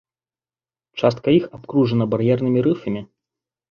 Частка іх абкружана бар'ернымі рыфамі.